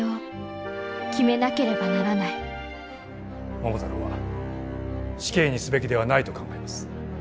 桃太郎は死刑にすべきではないと考えます。